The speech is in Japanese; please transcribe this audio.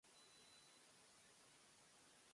何人なの